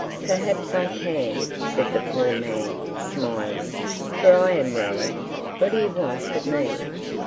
"Perhaps I can," said the poor man, smiling, "for I am Ram! What do you want of me?"